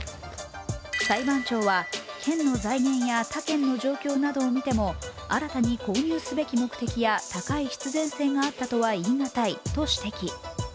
裁判長は、県の財源や他県の状況などを見ても新たに購入すべき目的や高い必然性があったとは言い難いと指摘。